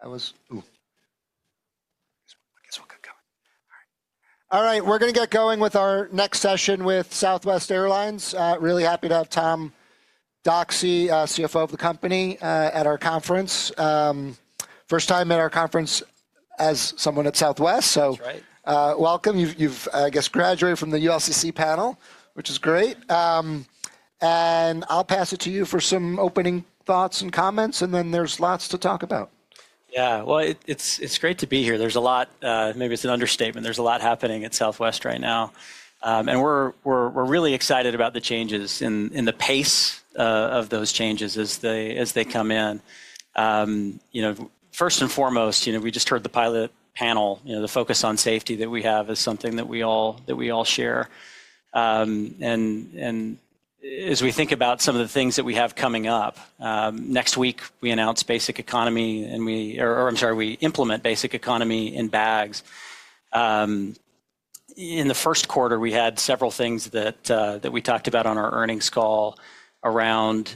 I'm here. That was—oh, I guess we'll get going. All right. All right, we're going to get going with our next session with Southwest Airlines. Really happy to have Tom Doxey, CFO of the company, at our conference. First time at our conference as someone at Southwest, so. That's right. Welcome. You've, I guess, graduated from the ULCC panel, which is great. I'll pass it to you for some opening thoughts and comments, and then there's lots to talk about. Yeah, it is great to be here. There is a lot—maybe it is an understatement—there is a lot happening at Southwest right now. We are really excited about the changes and the pace of those changes as they come in. First and foremost, we just heard the pilot panel. The focus on safety that we have is something that we all share. As we think about some of the things that we have coming up, next week we announce basic economy, and we—or I am sorry, we implement basic economy in bags. In the first quarter, we had several things that we talked about on our earnings call around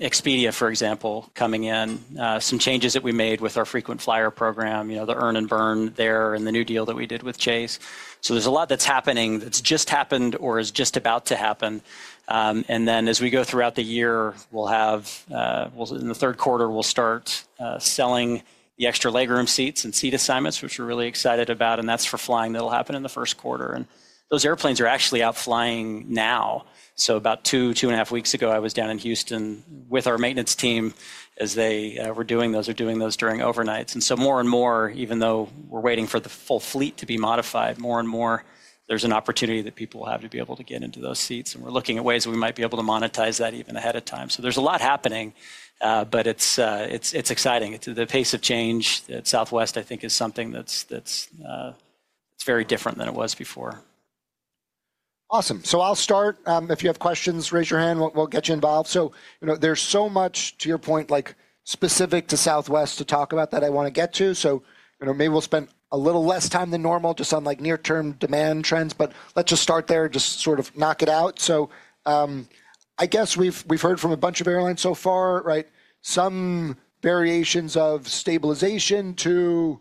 Expedia, for example, coming in, some changes that we made with our frequent flyer program, the earn and burn there, and the new deal that we did with Chase. There is a lot that is happening that has just happened or is just about to happen. As we go throughout the year, we'll have—in the third quarter, we'll start selling the extra legroom seats and seat assignments, which we're really excited about. That is for flying that will happen in the first quarter. Those airplanes are actually out flying now. About two, two and a half weeks ago, I was down in Houston with our maintenance team as they were doing those during overnights. More and more, even though we're waiting for the full fleet to be modified, there is an opportunity that people will have to be able to get into those seats. We're looking at ways we might be able to monetize that even ahead of time. There is a lot happening, but it's exciting. The pace of change at Southwest, I think, is something that's very different than it was before. Awesome. I'll start. If you have questions, raise your hand. We'll get you involved. There's so much, to your point, specific to Southwest to talk about that I want to get to. Maybe we'll spend a little less time than normal just on near-term demand trends, but let's just start there, just sort of knock it out. I guess we've heard from a bunch of airlines so far, right? Some variations of stabilization to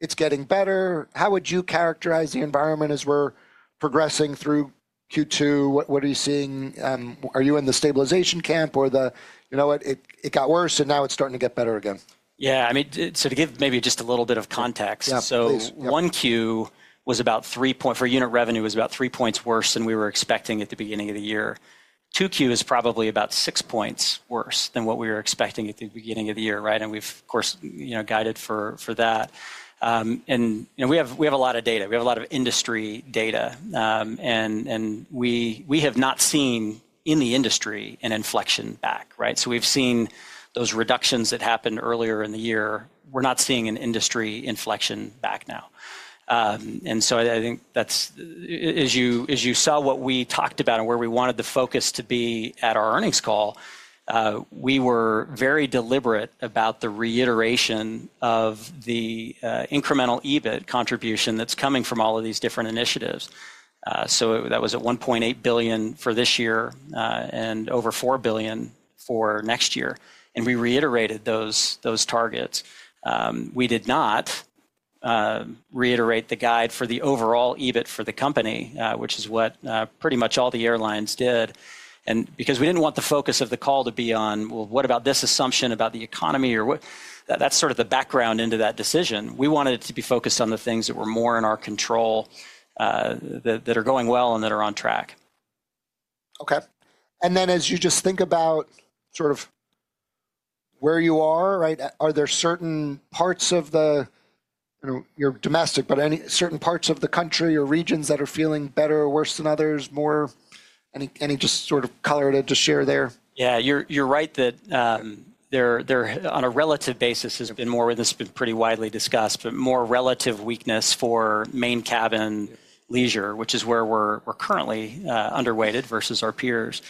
it's getting better. How would you characterize the environment as we're progressing through Q2? What are you seeing? Are you in the stabilization camp or the, you know what, it got worse and now it's starting to get better again? Yeah. I mean, so to give maybe just a little bit of context. Yeah, please. 1Q was about 3 points for unit revenue, was about 3 points worse than we were expecting at the beginning of the year. 2Q is probably about 6 points worse than what we were expecting at the beginning of the year, right? We have, of course, guided for that. We have a lot of data. We have a lot of industry data. We have not seen in the industry an inflection back, right? We have seen those reductions that happened earlier in the year. We are not seeing an industry inflection back now. I think that is, as you saw what we talked about and where we wanted the focus to be at our earnings call, we were very deliberate about the reiteration of the incremental EBIT contribution that is coming from all of these different initiatives. That was at $1.8 billion for this year and over $4 billion for next year. We reiterated those targets. We did not reiterate the guide for the overall EBIT for the company, which is what pretty much all the airlines did. We did not want the focus of the call to be on, well, what about this assumption about the economy or what? That is sort of the background into that decision. We wanted it to be focused on the things that were more in our control that are going well and that are on track. Okay. As you just think about sort of where you are, right, are there certain parts of the—you're domestic, but any certain parts of the country or regions that are feeling better or worse than others? More? Any just sort of color to share there? Yeah, you're right that there on a relative basis has been more—this has been pretty widely discussed—but more relative weakness for main cabin leisure, which is where we're currently underweighted versus our peers.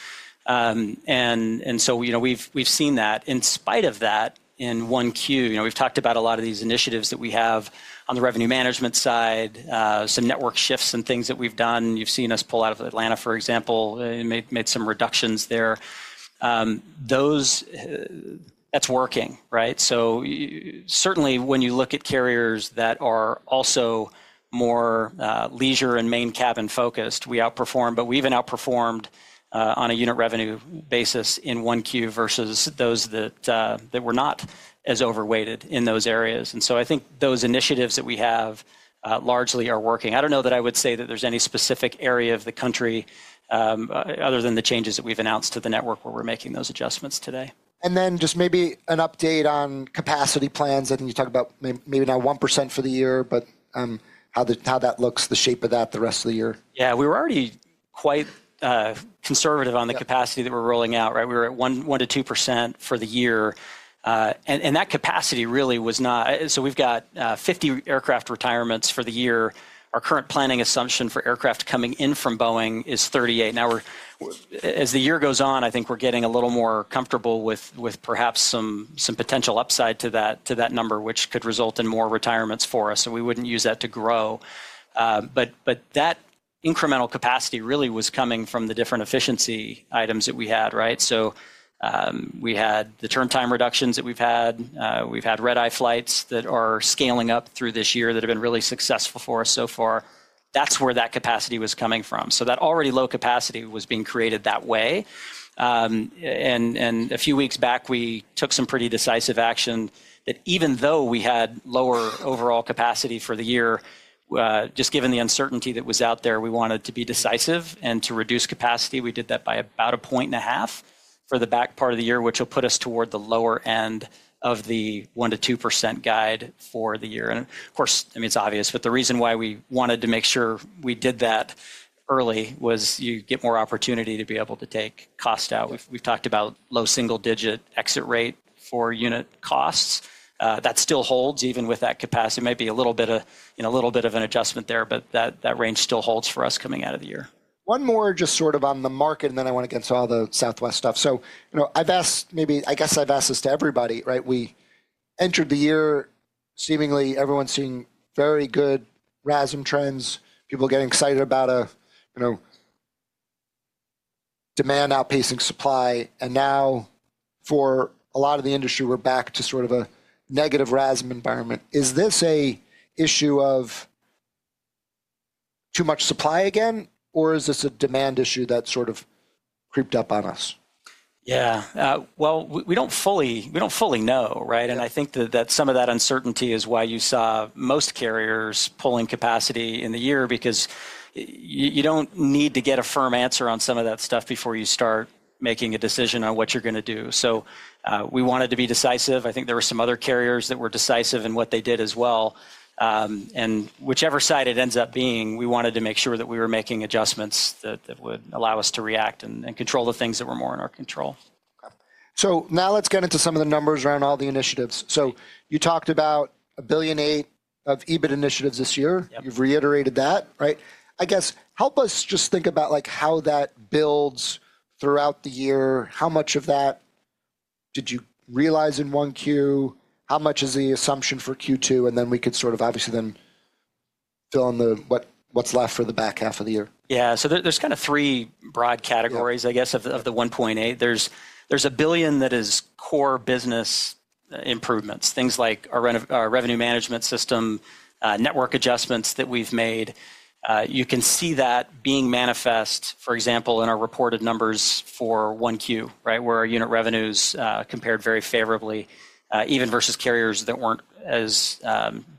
We've seen that. In spite of that, in 1Q, we've talked about a lot of these initiatives that we have on the revenue management side, some network shifts and things that we've done. You've seen us pull out of Atlanta, for example, and made some reductions there. That's working, right? Certainly when you look at carriers that are also more leisure and main cabin focused, we outperformed, but we even outperformed on a unit revenue basis in 1Q versus those that were not as overweighted in those areas. I think those initiatives that we have largely are working. I don't know that I would say that there's any specific area of the country other than the changes that we've announced to the network where we're making those adjustments today. Just maybe an update on capacity plans. I think you talked about maybe not 1% for the year, but how that looks, the shape of that the rest of the year. Yeah, we were already quite conservative on the capacity that we're rolling out, right? We were at 1%-2% for the year. That capacity really was not—so we've got 50 aircraft retirements for the year. Our current planning assumption for aircraft coming in from Boeing is 38. Now, as the year goes on, I think we're getting a little more comfortable with perhaps some potential upside to that number, which could result in more retirements for us. We wouldn't use that to grow. That incremental capacity really was coming from the different efficiency items that we had, right? We had the turntime reductions that we've had. We've had red-eye flights that are scaling up through this year that have been really successful for us so far. That's where that capacity was coming from. That already low capacity was being created that way. A few weeks back, we took some pretty decisive action that even though we had lower overall capacity for the year, just given the uncertainty that was out there, we wanted to be decisive and to reduce capacity. We did that by about a point and a half for the back part of the year, which will put us toward the lower end of the 1%-2% guide for the year. Of course, I mean, it's obvious, but the reason why we wanted to make sure we did that early was you get more opportunity to be able to take cost out. We've talked about low single-digit exit rate for unit costs. That still holds even with that capacity. It might be a little bit of an adjustment there, but that range still holds for us coming out of the year. One more just sort of on the market, and then I want to get into all the Southwest stuff. I've asked maybe, I guess I've asked this to everybody, right? We entered the year, seemingly everyone's seeing very good RASM trends, people getting excited about a demand outpacing supply. Now for a lot of the industry, we're back to sort of a negative RASM environment. Is this an issue of too much supply again, or is this a demand issue that sort of creeped up on us? Yeah. We do not fully know, right? I think that some of that uncertainty is why you saw most carriers pulling capacity in the year, because you do not need to get a firm answer on some of that stuff before you start making a decision on what you are going to do. We wanted to be decisive. I think there were some other carriers that were decisive in what they did as well. Whichever side it ends up being, we wanted to make sure that we were making adjustments that would allow us to react and control the things that were more in our control. Okay. Now let's get into some of the numbers around all the initiatives. You talked about $1.8 billion of EBIT initiatives this year. You've reiterated that, right? I guess help us just think about how that builds throughout the year. How much of that did you realize in 1Q? How much is the assumption for Q2? We could sort of obviously then fill in what's left for the back half of the year. Yeah. So there's kind of three broad categories, I guess, of the $1.8 billion. There's $1 billion that is core business improvements, things like our revenue management system, network adjustments that we've made. You can see that being manifest, for example, in our reported numbers for 1Q, right, where our unit revenues compared very favorably, even versus carriers that weren't as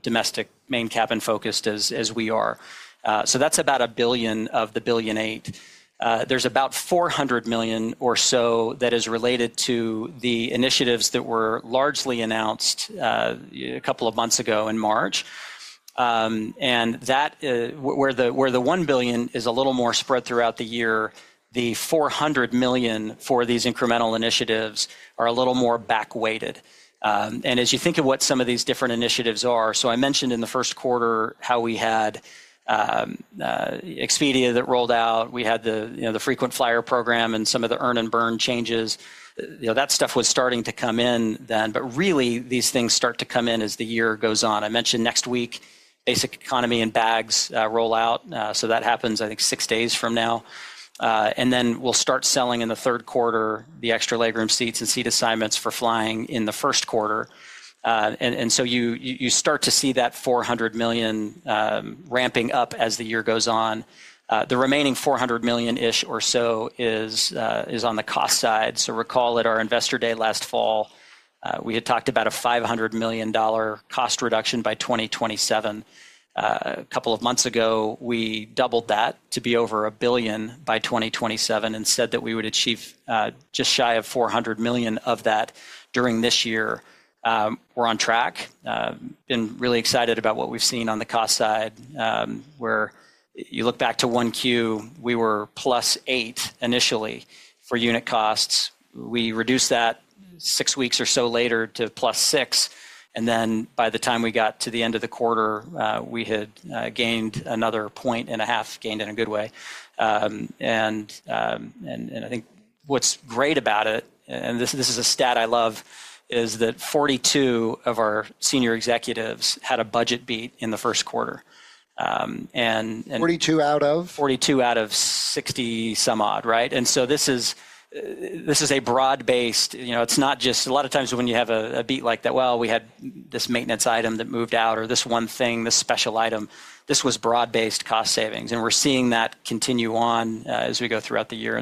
domestic main cabin focused as we are. That's about $1 billion of the $1.8 billion. There's about $400 million or so that is related to the initiatives that were largely announced a couple of months ago in March. Where the $1 billion is a little more spread throughout the year, the $400 million for these incremental initiatives are a little more back-weighted. As you think of what some of these different initiatives are, I mentioned in the first quarter how we had Expedia that rolled out, we had the frequent flyer program and some of the earn and burn changes. That stuff was starting to come in then, but really these things start to come in as the year goes on. I mentioned next week, basic economy and bags roll out. That happens, I think, six days from now. We will start selling in the third quarter the extra legroom seats and seat assignments for flying in the first quarter. You start to see that $400 million ramping up as the year goes on. The remaining $400 million or so is on the cost side. Recall at our investor day last fall, we had talked about a $500 million cost reduction by 2027. A couple of months ago, we doubled that to be over $1 billion by 2027 and said that we would achieve just shy of $400 million of that during this year. We're on track. Been really excited about what we've seen on the cost side. Where you look back to 1Q, we were +8% initially for unit costs. We reduced that six weeks or so later to +6%. By the time we got to the end of the quarter, we had gained another point and a half, gained in a good way. I think what's great about it, and this is a stat I love, is that 42 of our senior executives had a budget beat in the first quarter. 42 out of? 42 out of 60 some odd, right? This is a broad-based, it is not just a lot of times when you have a beat like that, well, we had this maintenance item that moved out or this one thing, this special item, this was broad-based cost savings. We are seeing that continue on as we go throughout the year.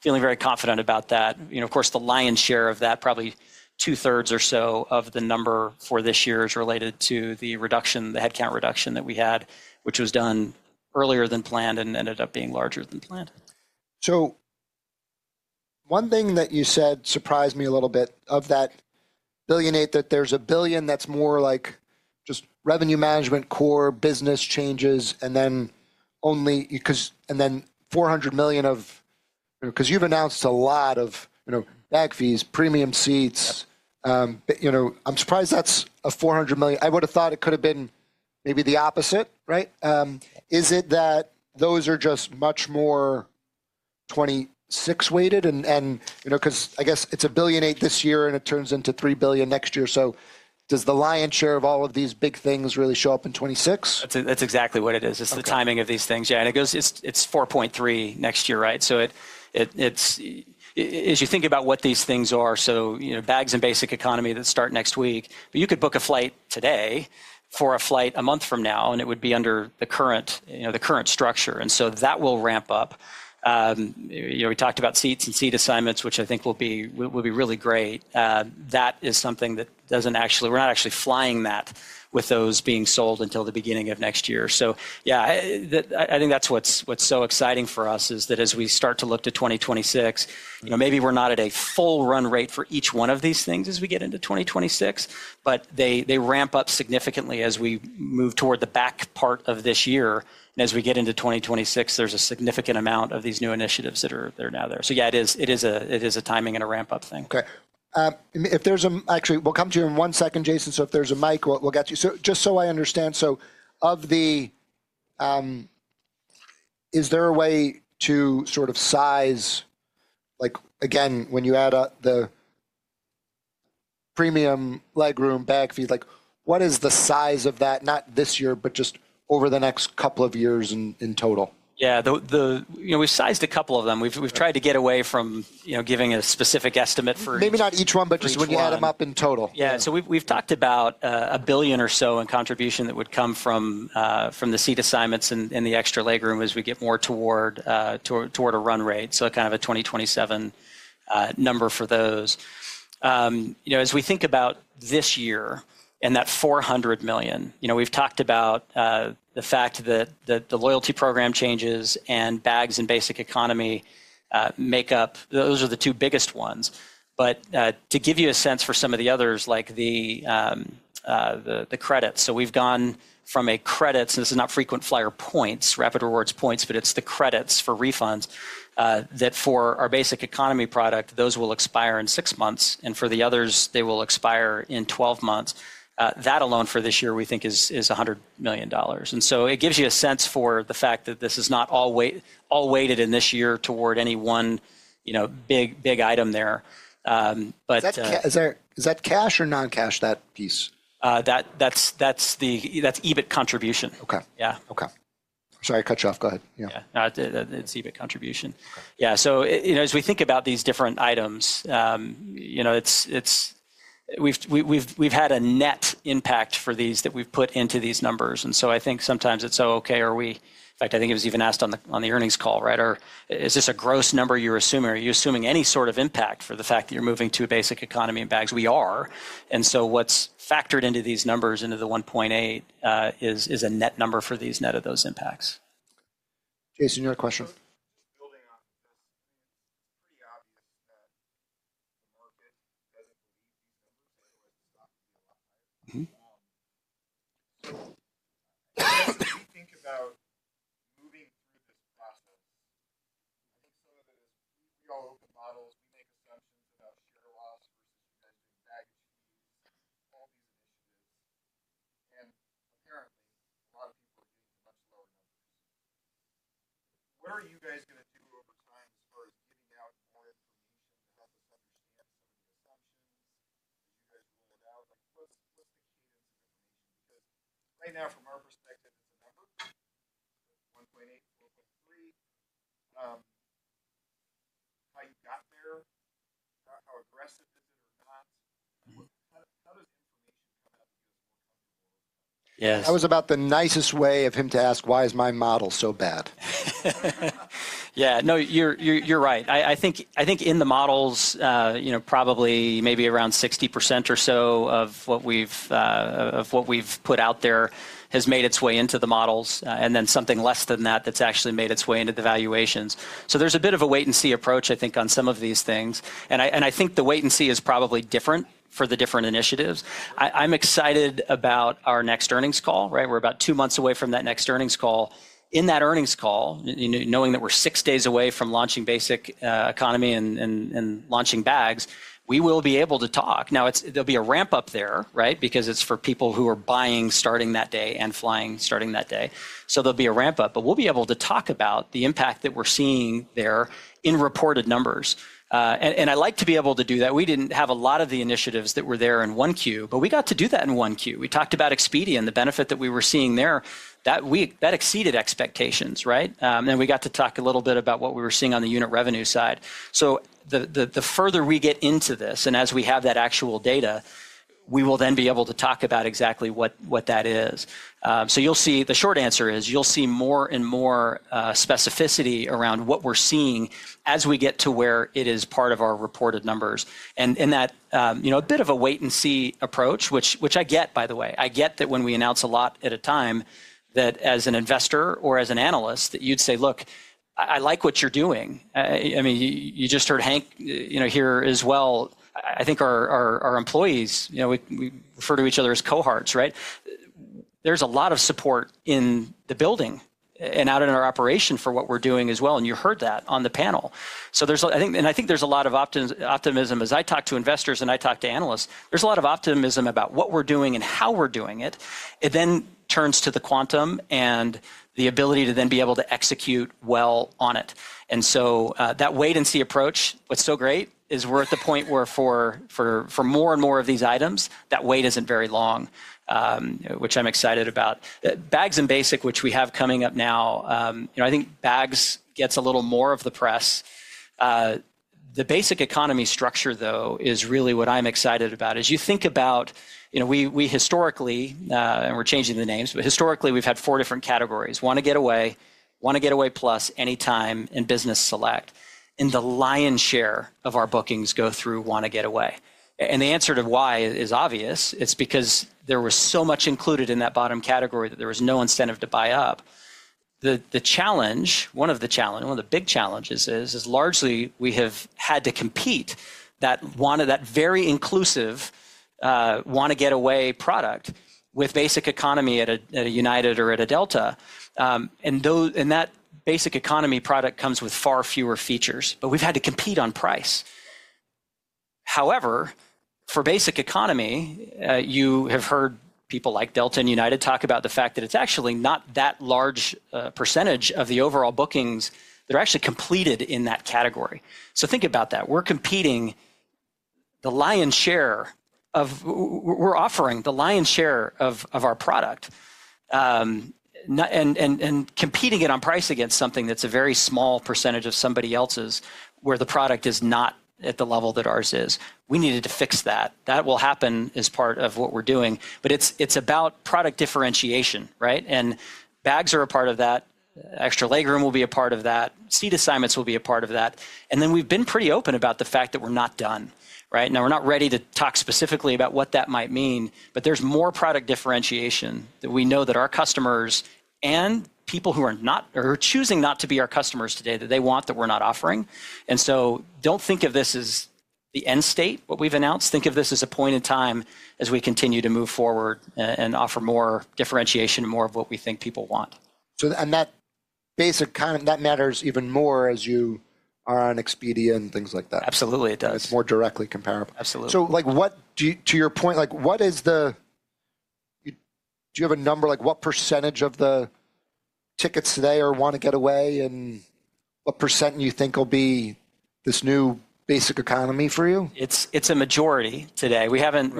Feeling very confident about that. Of course, the lion's share of that, probably 2/3 or so of the number for this year is related to the reduction, the headcount reduction that we had, which was done earlier than planned and ended up being larger than planned. One thing that you said surprised me a little bit of that billion eight, that there's a billion that's more like just revenue management, core business changes, and then $400 million of because you've announced a lot of bag fees, premium seats. I'm surprised that's a $400 million. I would have thought it could have been maybe the opposite, right? Is it that those are just much more 2026-weighted? And because I guess it's a billion eight this year and it turns into $3 billion next year. Does the lion's share of all of these big things really show up in 2026? That's exactly what it is. It's the timing of these things. Yeah. It goes, it's 4.3 next year, right? As you think about what these things are, bags and basic economy that start next week, but you could book a flight today for a flight a month from now and it would be under the current structure. That will ramp up. We talked about seats and seat assignments, which I think will be really great. That is something that doesn't actually, we're not actually flying that with those being sold until the beginning of next year. Yeah, I think that's what's so exciting for us is that as we start to look to 2026, maybe we're not at a full run rate for each one of these things as we get into 2026, but they ramp up significantly as we move toward the back part of this year. As we get into 2026, there's a significant amount of these new initiatives that are now there. Yeah, it is a timing and a ramp-up thing. Okay. If there's a, actually, we'll come to you in one second, Jason. If there's a mic, we'll get you. Just so I understand, of the, is there a way to sort of size, like again, when you add up the premium legroom, bag fees, what is the size of that, not this year, but just over the next couple of years in total? Yeah. We've sized a couple of them. We've tried to get away from giving a specific estimate for. Maybe not each one, but just when you add them up in total. Yeah. We've talked about a billion or so in contribution that would come from the seat assignments and the extra legroom as we get more toward a run rate. Kind of a 2027 number for those. As we think about this year and that $400 million, we've talked about the fact that the loyalty program changes and bags and basic economy make up, those are the two biggest ones. To give you a sense for some of the others, like the credits. We've gone from credits, and this is not frequent flyer points, Rapid Rewards points, but it's the credits for refunds, that for our basic economy product, those will expire in six months. For the others, they will expire in 12 months. That alone for this year, we think is $100 million. It gives you a sense for the fact that this is not all weighted in this year toward any one big item there. Is that cash or non-cash, that piece? That's EBIT contribution. Okay. Yeah. Okay. Sorry, I cut you off. Go ahead. Yeah. Yeah. It's EBIT contribution. Yeah. As we think about these different items, we've had a net impact for these that we've put into these numbers. I think sometimes it's, okay, are we, in fact, I think it was even asked on the earnings call, right? Is this a gross number you're assuming? Are you assuming any sort of impact for the fact that you're moving to a basic economy in bags? We are. What's factored into these numbers, into the $1.8 billion, is a net number for these, net of those impacts. Jason, your question. Building off this, I mean, it's pretty obvious that the market doesn't believe these numbers. Otherwise, the stock would be a lot higher. When you think about moving through this process, I think some of it is we all open models, we make assumptions about share loss versus you guys doing baggage fees, all these initiatives. Apparently, a lot of people are getting much lower numbers. What are you guys going to do over time as far as giving out more information to help us understand some of the assumptions as you guys roll it out? What's the cadence of information? Right now, from our perspective, it's a number, 1.8, 4.3. How you got there? How aggressive is it or not? How does information come out to you as more comfortable? Yes. That was about the nicest way of him to ask, why is my model so bad? Yeah. No, you're right. I think in the models, probably maybe around 60% or so of what we've put out there has made its way into the models, and then something less than that that's actually made its way into the valuations. So there's a bit of a wait and see approach, I think, on some of these things. And I think the wait and see is probably different for the different initiatives. I'm excited about our next earnings call, right? We're about two months away from that next earnings call. In that earnings call, knowing that we're six days away from launching Basic Economy and launching bags, we will be able to talk. Now, there'll be a ramp-up there, right? Because it's for people who are buying starting that day and flying starting that day. There'll be a ramp-up, but we'll be able to talk about the impact that we're seeing there in reported numbers. I like to be able to do that. We didn't have a lot of the initiatives that were there in 1Q, but we got to do that in 1Q. We talked about Expedia and the benefit that we were seeing there. That exceeded expectations, right? We got to talk a little bit about what we were seeing on the unit revenue side. The further we get into this, and as we have that actual data, we will then be able to talk about exactly what that is. The short answer is you'll see more and more specificity around what we're seeing as we get to where it is part of our reported numbers. That is a bit of a wait and see approach, which I get, by the way. I get that when we announce a lot at a time, that as an investor or as an analyst, you'd say, look, I like what you're doing. I mean, you just heard Hank here as well. I think our employees, we refer to each other as cohorts, right? There is a lot of support in the building and out in our operation for what we're doing as well. You heard that on the panel. I think there is a lot of optimism. As I talk to investors and I talk to analysts, there is a lot of optimism about what we're doing and how we're doing it. It then turns to the quantum and the ability to then be able to execute well on it. That wait and see approach, what's so great is we're at the point where for more and more of these items, that wait isn't very long, which I'm excited about. Bags and basic, which we have coming up now, I think bags gets a little more of the press. The basic economy structure, though, is really what I'm excited about. As you think about, we historically, and we're changing the names, but historically, we've had four different categories: Wanna Get Away, Wanna Get Away Plus, Anytime, and Business Select. The lion's share of our bookings go through Wanna Get Away. The answer to why is obvious. It's because there was so much included in that bottom category that there was no incentive to buy up. The challenge, one of the challenges, one of the big challenges is largely we have had to compete that very inclusive Wanna Get Away product with basic economy at a United or at a Delta. That basic economy product comes with far fewer features, but we've had to compete on price. However, for basic economy, you have heard people like Delta and United talk about the fact that it's actually not that large percentage of the overall bookings that are actually completed in that category. Think about that. We're competing the lion's share of, we're offering the lion's share of our product and competing it on price against something that's a very small percentage of somebody else's where the product is not at the level that ours is. We needed to fix that. That will happen as part of what we're doing. It's about product differentiation, right? Bags are a part of that. Extra legroom will be a part of that. Seat assignments will be a part of that. We have been pretty open about the fact that we are not done, right? Now, we are not ready to talk specifically about what that might mean, but there is more product differentiation that we know that our customers and people who are not, or are choosing not to be our customers today, that they want that we are not offering. Do not think of this as the end state, what we have announced. Think of this as a point in time as we continue to move forward and offer more differentiation, more of what we think people want. That basic kind of, that matters even more as you are on Expedia and things like that. Absolutely, it does. It's more directly comparable. Absolutely. To your point, what is the, do you have a number, like what percentage of the tickets today are Wanna Get Away and what percent do you think will be this new basic economy for you? It's a majority today. We haven't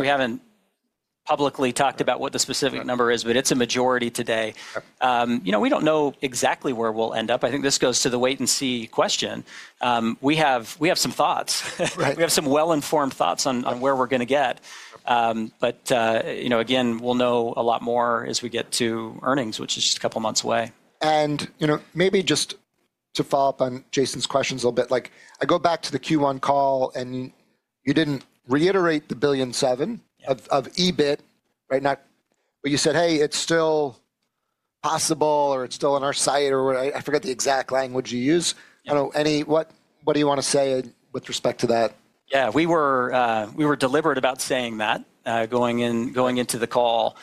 publicly talked about what the specific number is, but it's a majority today. We don't know exactly where we'll end up. I think this goes to the wait and see question. We have some thoughts. We have some well-informed thoughts on where we're going to get. Again, we'll know a lot more as we get to earnings, which is just a couple of months away. Maybe just to follow up on Jason's questions a little bit, I go back to the Q1 call and you didn't reiterate the billion seven of EBIT, right? But you said, hey, it's still possible or it's still on our site or I forget the exact language you use. What do you want to say with respect to that? Yeah. We were deliberate about saying that going into the call.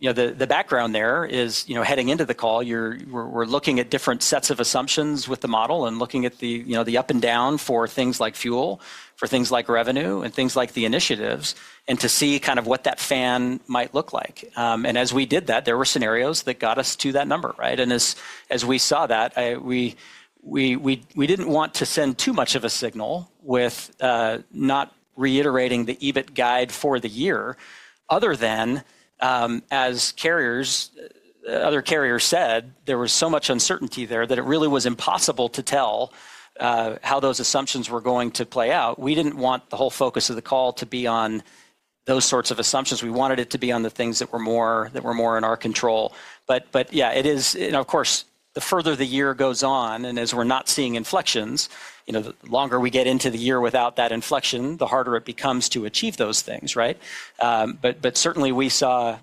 The background there is heading into the call, we're looking at different sets of assumptions with the model and looking at the up and down for things like fuel, for things like revenue, and things like the initiatives, and to see kind of what that fan might look like. As we did that, there were scenarios that got us to that number, right? As we saw that, we did not want to send too much of a signal with not reiterating the EBIT guide for the year, other than as other carriers said, there was so much uncertainty there that it really was impossible to tell how those assumptions were going to play out. We did not want the whole focus of the call to be on those sorts of assumptions. We wanted it to be on the things that were more in our control. Yeah, it is, and of course, the further the year goes on, and as we're not seeing inflections, the longer we get into the year without that inflection, the harder it becomes to achieve those things, right? Certainly, we saw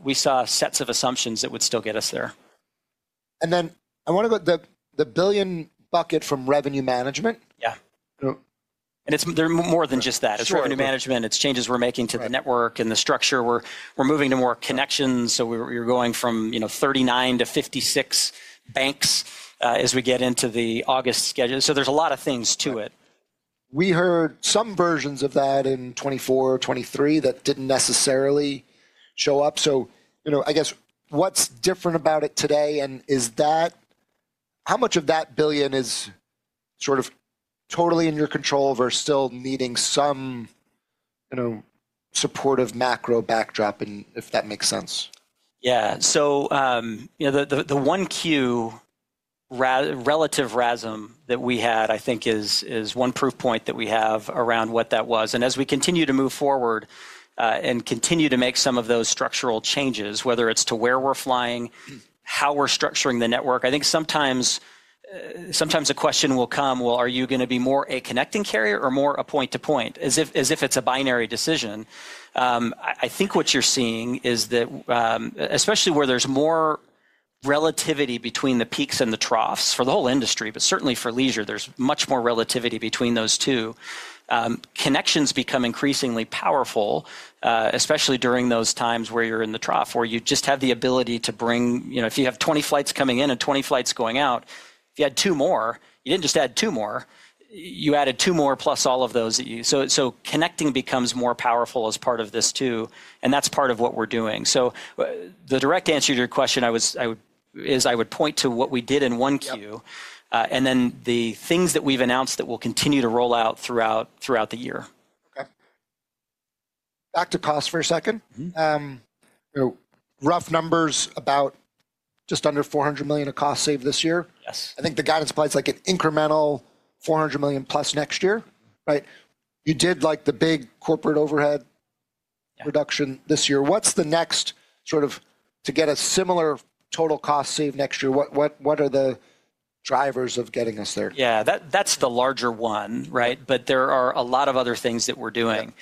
sets of assumptions that would still get us there. I want to go to the billion bucket from revenue management. Yeah. They are more than just that. It is revenue management. It is changes we are making to the network and the structure. We are moving to more connections. We are going from 39 to 56 banks as we get into the August schedule. There is a lot of things to it. We heard some versions of that in 2024, 2023 that did not necessarily show up. I guess what is different about it today and is that, how much of that billion is sort of totally in your control versus still needing some supportive macro backdrop, if that makes sense? Yeah. So the 1Q relative RASM that we had, I think is one proof point that we have around what that was. And as we continue to move forward and continue to make some of those structural changes, whether it's to where we're flying, how we're structuring the network, I think sometimes a question will come, well, are you going to be more a connecting carrier or more a point-to-point? As if it's a binary decision. I think what you're seeing is that, especially where there's more relativity between the peaks and the troughs for the whole industry, but certainly for leisure, there's much more relativity between those two. Connections become increasingly powerful, especially during those times where you're in the trough, where you just have the ability to bring, if you have 20 flights coming in and 20 flights going out, if you add two more, you didn't just add two more, you added two more plus all of those. Connecting becomes more powerful as part of this too. That is part of what we're doing. The direct answer to your question is I would point to what we did in 1Q and then the things that we've announced that we'll continue to roll out throughout the year. Okay. Back to cost for a second. Rough numbers about just under $400 million of cost saved this year. Yes. I think the guidance applies like an incremental $400 million plus next year, right? You did like the big corporate overhead reduction this year. What's the next sort of to get a similar total cost saved next year? What are the drivers of getting us there? Yeah, that's the larger one, right? There are a lot of other things that we're doing.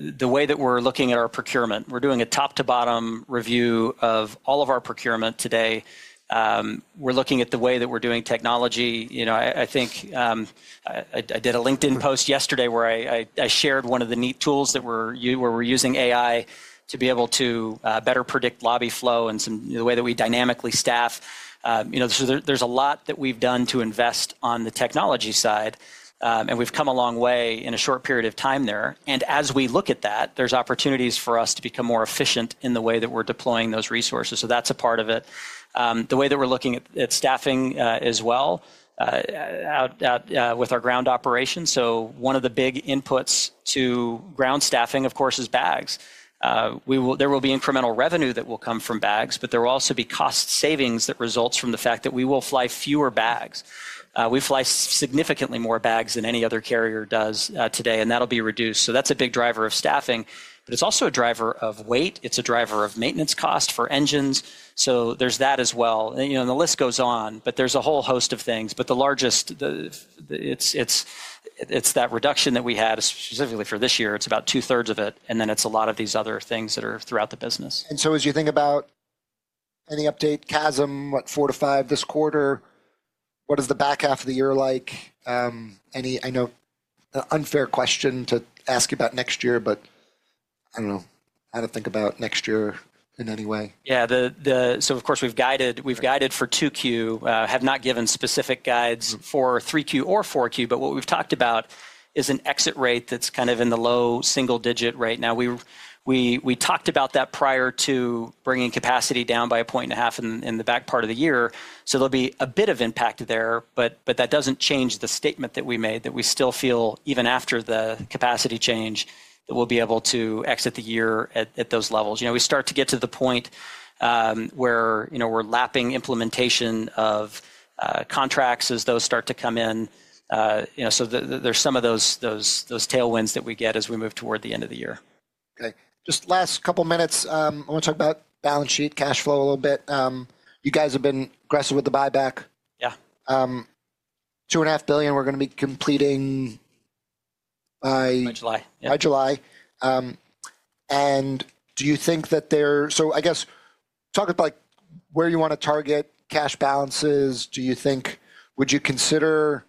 The way that we're looking at our procurement, we're doing a top-to-bottom review of all of our procurement today. We're looking at the way that we're doing technology. I think I did a LinkedIn post yesterday where I shared one of the neat tools that we're using AI to be able to better predict lobby flow and the way that we dynamically staff. There is a lot that we've done to invest on the technology side, and we've come a long way in a short period of time there. As we look at that, there are opportunities for us to become more efficient in the way that we're deploying those resources. That's a part of it. The way that we're looking at staffing as well with our ground operations. One of the big inputs to ground staffing, of course, is bags. There will be incremental revenue that will come from bags, but there will also be cost savings that result from the fact that we will fly fewer bags. We fly significantly more bags than any other carrier does today, and that will be reduced. That is a big driver of staffing, but it is also a driver of weight. It is a driver of maintenance cost for engines. There is that as well. The list goes on, but there is a whole host of things. The largest is that reduction that we had specifically for this year. It is about two-thirds of it, and then it is a lot of these other things that are throughout the business. As you think about any update, chasm, what, four to five this quarter, what is the back half of the year like? I know an unfair question to ask you about next year, but I do not know. I do not think about next year in any way. Yeah. Of course, we've guided for 2Q, have not given specific guides for 3Q or 4Q, but what we've talked about is an exit rate that's kind of in the low single digit right now. We talked about that prior to bringing capacity down by a point and a half in the back part of the year. There'll be a bit of impact there, but that doesn't change the statement that we made that we still feel, even after the capacity change, that we'll be able to exit the year at those levels. We start to get to the point where we're lapping implementation of contracts as those start to come in. There are some of those tailwinds that we get as we move toward the end of the year. Okay. Just last couple of minutes. I want to talk about balance sheet, cash flow a little bit. You guys have been aggressive with the buyback. Yeah. $2.5 billion, we're going to be completing by. By July. By July. Do you think that there, so I guess talk about where you want to target cash balances. Do you think, would you consider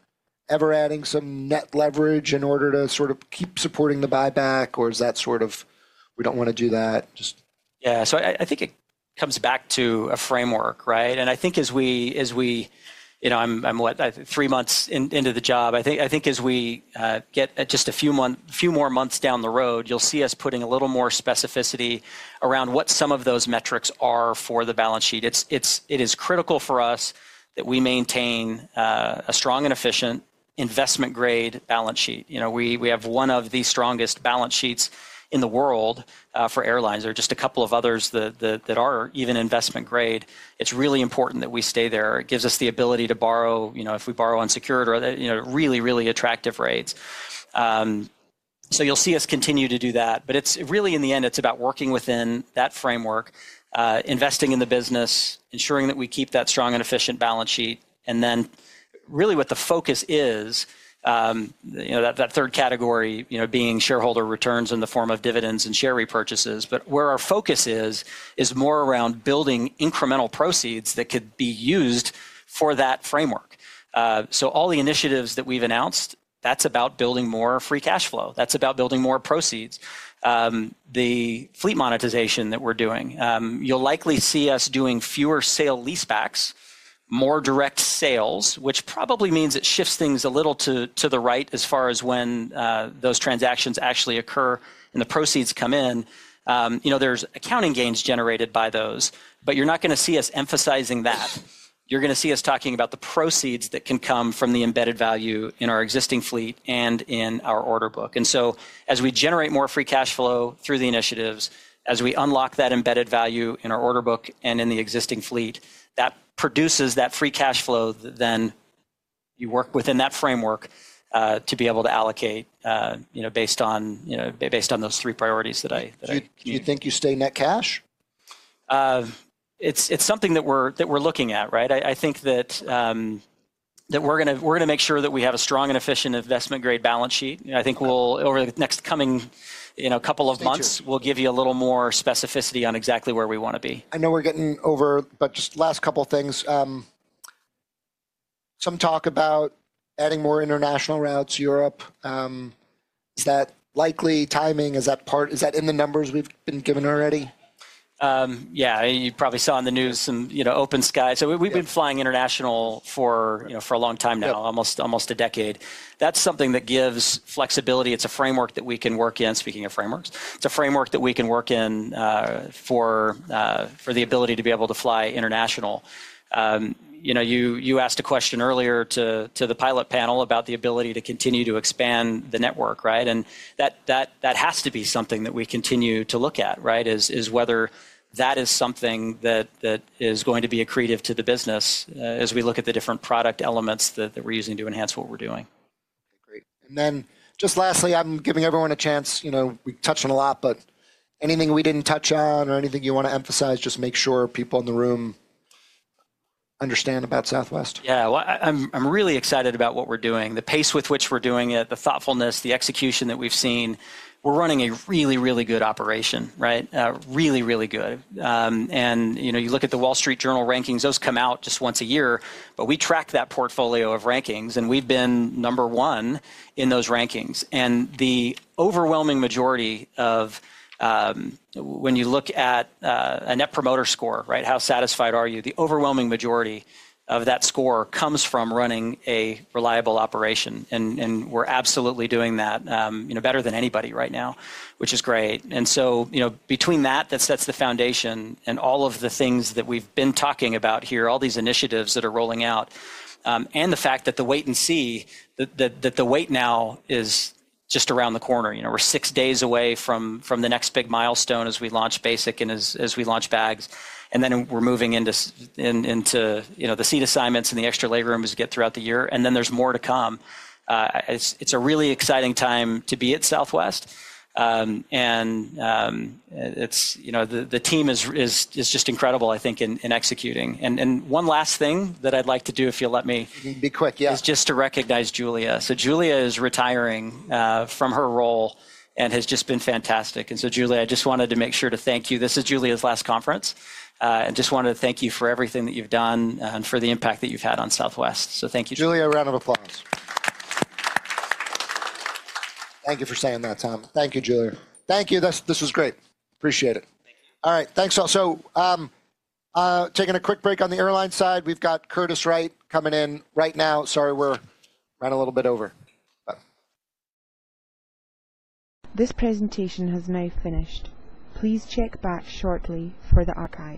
ever adding some net leverage in order to sort of keep supporting the buyback, or is that sort of, we do not want to do that? Yeah. I think it comes back to a framework, right? I think as we, I'm three months into the job. I think as we get just a few more months down the road, you'll see us putting a little more specificity around what some of those metrics are for the balance sheet. It is critical for us that we maintain a strong and efficient investment-grade balance sheet. We have one of the strongest balance sheets in the world for airlines. There are just a couple of others that are even investment-grade. It's really important that we stay there. It gives us the ability to borrow, if we borrow unsecured, really, really attractive rates. You'll see us continue to do that. Really, in the end, it's about working within that framework, investing in the business, ensuring that we keep that strong and efficient balance sheet. Really what the focus is, that third category being shareholder returns in the form of dividends and share repurchases. Where our focus is, is more around building incremental proceeds that could be used for that framework. All the initiatives that we've announced, that's about building more free cash flow. That's about building more proceeds. The fleet monetization that we're doing, you'll likely see us doing fewer sale leasebacks, more direct sales, which probably means it shifts things a little to the right as far as when those transactions actually occur and the proceeds come in. There are accounting gains generated by those, but you're not going to see us emphasizing that. You're going to see us talking about the proceeds that can come from the embedded value in our existing fleet and in our order book. As we generate more free cash flow through the initiatives, as we unlock that embedded value in our order book and in the existing fleet, that produces that free cash flow. You work within that framework to be able to allocate based on those three priorities that I. Do you think you stay net cash? It's something that we're looking at, right? I think that we're going to make sure that we have a strong and efficient investment-grade balance sheet. I think over the next coming couple of months, we'll give you a little more specificity on exactly where we want to be. I know we're getting over, but just last couple of things. Some talk about adding more international routes, Europe. Is that likely timing? Is that in the numbers we've been given already? Yeah. You probably saw in the news some Open Skies. We've been flying international for a long time now, almost a decade. That's something that gives flexibility. It's a framework that we can work in. Speaking of frameworks, it's a framework that we can work in for the ability to be able to fly international. You asked a question earlier to the pilot panel about the ability to continue to expand the network, right? That has to be something that we continue to look at, right? Is whether that is something that is going to be accretive to the business as we look at the different product elements that we're using to enhance what we're doing. Okay, great. And then just lastly, I'm giving everyone a chance. We touched on a lot, but anything we didn't touch on or anything you want to emphasize, just make sure people in the room understand about Southwest. Yeah. I am really excited about what we are doing. The pace with which we are doing it, the thoughtfulness, the execution that we have seen, we are running a really, really good operation, right? Really, really good. You look at the Wall Street Journal rankings, those come out just once a year, but we track that portfolio of rankings and we have been number one in those rankings. The overwhelming majority of when you look at a net promoter score, right? How satisfied are you? The overwhelming majority of that score comes from running a reliable operation. We are absolutely doing that better than anybody right now, which is great. Between that, that sets the foundation and all of the things that we've been talking about here, all these initiatives that are rolling out, and the fact that the wait and see, that the wait now is just around the corner. We're six days away from the next big milestone as we launch Basic Economy and as we launch bags. We're moving into the seat assignments and the extra legroom as we get throughout the year. There is more to come. It's a really exciting time to be at Southwest. The team is just incredible, I think, in executing. One last thing that I'd like to do, if you'll let me. Be quick, yeah. Is just to recognize Julia. Julia is retiring from her role and has just been fantastic. Julia, I just wanted to make sure to thank you. This is Julia's last conference. I just wanted to thank you for everything that you've done and for the impact that you've had on Southwest. Thank you. Julia, a round of applause. Thank you for saying that, Tom. Thank you, Julia. Thank you. This was great. Appreciate it. Thank you. All right. Thanks all. Taking a quick break on the airline side, we have Curtis Wright coming in right now. Sorry, we ran a little bit over. This presentation has now finished. Please check back shortly for the archive.